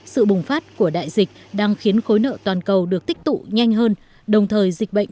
sự bùng phát của đại dịch đang khiến khối nợ toàn cầu được tích tụ nhanh hơn đồng thời dịch bệnh